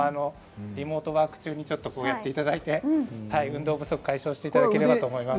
リモートワーク中にやっていただいて運動不足を解消していただきたいと思います。